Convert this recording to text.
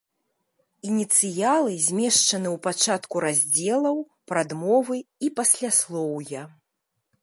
Ініцыялы змешчаны ў пачатку раздзелаў, прадмовы і пасляслоўя.